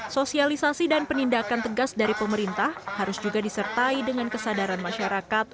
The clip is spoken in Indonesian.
sosialisasi dan penindakan tegas dari pemerintah harus juga disertai dengan kesadaran masyarakat